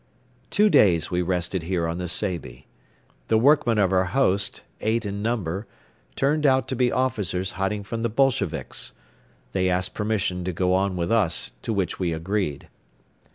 Two days we rested here on the Seybi. The workmen of our host, eight in number, turned out to be officers hiding from the Bolsheviks. They asked permission to go on with us, to which we agreed.